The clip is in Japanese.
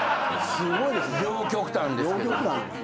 両極端ですけど。